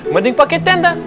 mending pake tenda